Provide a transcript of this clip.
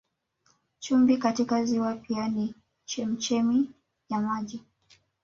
Chumvi katika ziwa pia na chemchemi ya maji